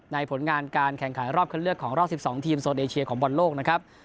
ผลงานการแข่งขันรอบคันเลือกของรอบ๑๒ทีมโซนเอเชียของบอลโลกนะครับ